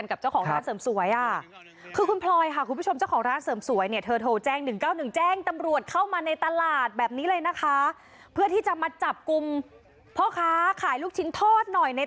สบายจังนะนางพลอย